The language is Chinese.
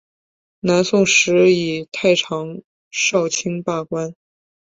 南宋时以太常少卿罢官。